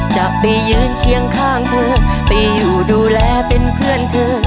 จะไปยืนเคียงข้างเธอไปอยู่ดูแลเป็นเพื่อนเธอ